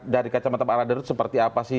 dari kacamata pak radar itu seperti apa sih